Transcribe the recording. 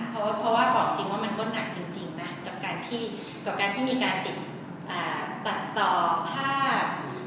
เพราะว่าบอกจริงว่ามันก็หนักจริงมากกับการที่มีการตัดต่อภาพ